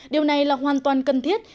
điều này là hoàn toàn cần thiết